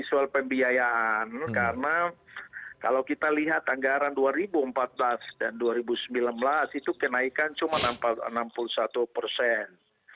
soal pembiayaan karena kalau kita lihat anggaran dua ribu empat belas dan dua ribu sembilan belas itu kenaikan cuma enam puluh satu persen